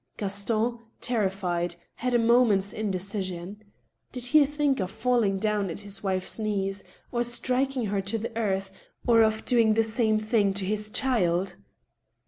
Gaston, terrified, had a moment's indecision. Did he think of falling down at his wife's knees, or of striking her to the earth, or of doing the same thing to his child